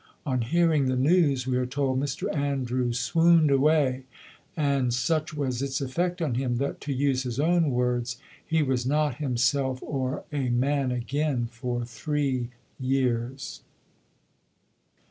On hearing the news, we are told, Mr Andrews swooned away, and such was its effect on him that, to use his own words, "he was not himself or a man again for three years."